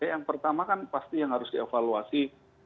yang pertama kan pasti yang harus dievaluasi